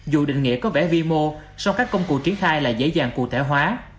dù định nghĩa có vẻ vi mô so với các công cụ triển khai là dễ dàng cụ thể hóa